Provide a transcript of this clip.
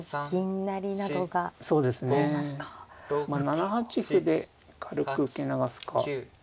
７八歩で軽く受け流すか。